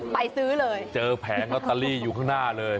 ไปซื้อเลยเจอแผงลอตเตอรี่อยู่ข้างหน้าเลย